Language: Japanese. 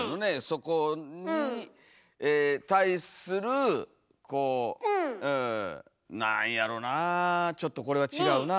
そこに対するこうなんやろなちょっとこれは違うな。